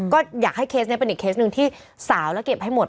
ก็อยากให้เคสนี้เป็นอีกเคสหนึ่งที่สาวแล้วเก็บให้หมด